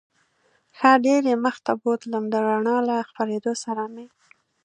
ښه ډېر یې مخ ته بوتلم، د رڼا له خپرېدو سره مې.